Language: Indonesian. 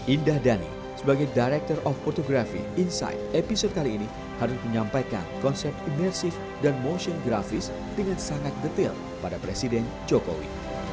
indah dhani sebagai director of photography insight episode kali ini harus menyampaikan konsep imersif dan motion grafis dengan sangat detail pada presiden jokowi